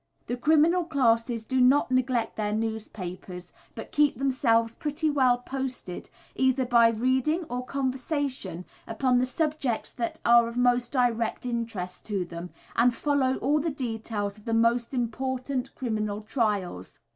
The criminal classes do not neglect their newspapers, but keep themselves pretty well posted, either by reading or conversation, upon the subjects that are of most direct interest to them, and follow all the details of the most important criminal trials.